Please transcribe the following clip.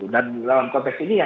dan dalam konteks ini ya